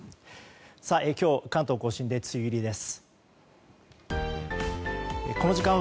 今日、関東・甲信で梅雨入りです。